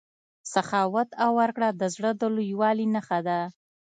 سخاوت او ورکړه د زړه د لویوالي نښه ده.